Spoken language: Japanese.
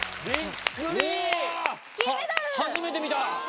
初めて見た！